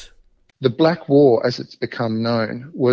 perang hitam seperti yang dikenal